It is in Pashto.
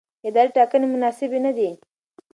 اداري ټاکنې مناسبې نه دي.